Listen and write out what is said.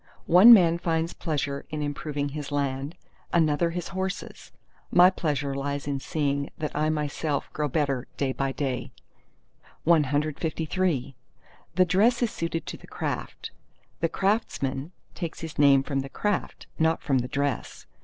—"One man finds pleasure in improving his land, another his horses. My pleasure lies in seeing that I myself grow better day by day." CLIV The dress is suited to the craft; the craftsman takes his name from the craft, not from the dress.